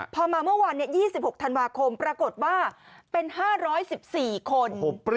พอมาเมื่อวัน๒๖ธันวาคมปรากฏว่าเป็น๕๑๔คน